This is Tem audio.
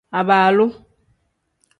Abaalu.